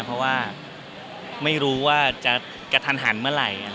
เพราะว่าไม่รู้ว่าจะกระทันหันเมื่อไหร่